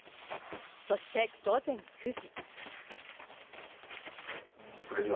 そして、午前９時。